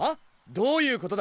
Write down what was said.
どういうことだ？